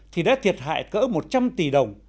thì đã thiệt hại cỡ một trăm linh tỷ đồng